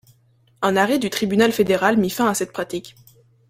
Un arrêt du Tribunal fédéral mit fin à cette pratique.